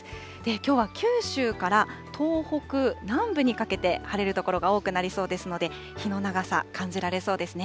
きょうは九州から東北南部にかけて晴れる所が多くなりそうですので、日の長さ、感じられそうですね。